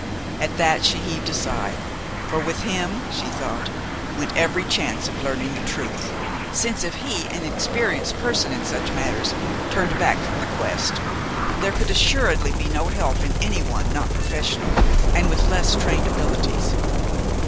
At that she heaved a sigh, for with him she thought went every chance of learning the truth, since if he, an experienced person in such matters, turned back from the quest, there could assuredly be no help in any one not professional, and with less trained abilities.